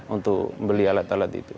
untuk membeli alat alat itu